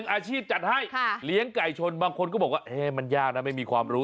อาชีพจัดให้เลี้ยงไก่ชนบางคนก็บอกว่ามันยากนะไม่มีความรู้